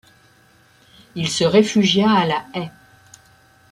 Il se réfugia à La Haye.